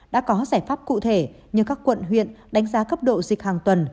đã có giải pháp cụ thể như các quận huyện đánh giá cấp độ dịch hàng tuần